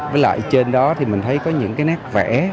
với lại trên đó thì mình thấy có những cái nét vẽ